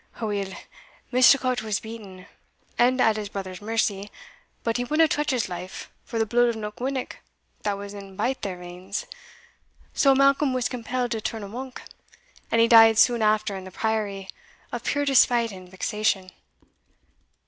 Aweel, Misticot was beaten, and at his brother's mercy but he wadna touch his life, for the blood of Knockwinnock that was in baith their veins: so Malcolm was compelled to turn a monk, and he died soon after in the priory, of pure despite and vexation.